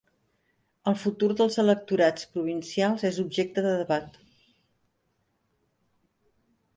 El futur dels electorats provincials és objecte de debat.